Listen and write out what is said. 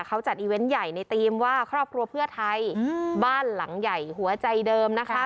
เขาจัดอีเวนต์ใหญ่ในธีมว่าครอบครัวเพื่อไทยบ้านหลังใหญ่หัวใจเดิมนะคะ